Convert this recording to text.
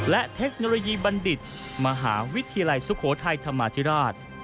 และเทคโนโลยีบัณฑิตมหาวิทยาลัยสุโขทัยธรรมาธิราช